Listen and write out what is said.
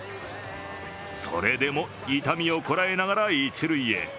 それでも痛みをこらえながら一塁へ。